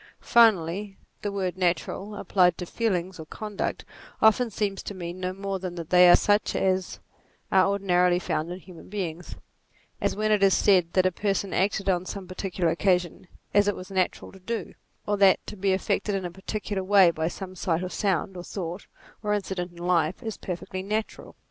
Finally, the word natural, applied to feelings or conduct, often seems to mean no more than that they are such as are ordinarily found in human beings ; as when it is said that a person acted, on some particular occasion, as it was natural to do ; or that to be affected in a parti cular way by some sight, or sound, or thought, or incident in life, is perfectly natural.